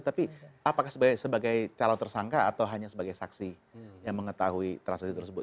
tapi apakah sebagai calon tersangka atau hanya sebagai saksi yang mengetahui transaksi tersebut